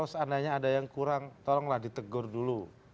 kalau seandainya ada yang kurang tolonglah ditegur dulu